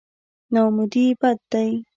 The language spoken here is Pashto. نااميدي بد دی.